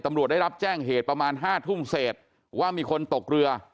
ตำรวจได้รับแจ้งเหตุประมาณ๕ทุ่มเศษว่ามีคนตกเรือ